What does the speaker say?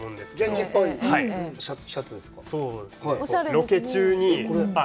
ロケ中に。